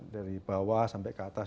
dari bawah sampai ke atas